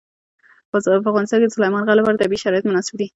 په افغانستان کې د سلیمان غر لپاره طبیعي شرایط مناسب دي.